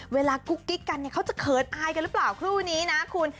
กุ๊กกิ๊กกันเนี่ยเขาจะเขินอายกันหรือเปล่าคู่นี้นะคุณ